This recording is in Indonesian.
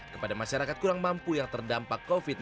kepada masyarakat kurang mampu yang terdampak covid sembilan belas